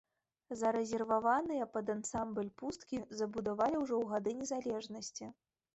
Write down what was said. Зарэзерваваныя пад ансамбль пусткі забудавалі ўжо ў гады незалежнасці.